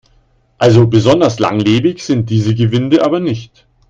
Also besonders langlebig sind diese Gewinde aber nicht.